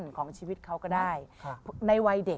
อาจจะเป็นจุดเริ่มต้นที่เขาไม่สามารถที่จะเลือกได้ว่าเขาจะไปทางไหน